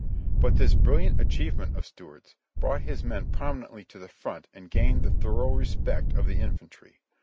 But this brilliant achieve ment of Stuart's brought his men prominently to the front and gained the thorough respect of the infantry.